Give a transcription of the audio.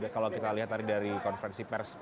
kalau kita lihat tadi dari konferensi pers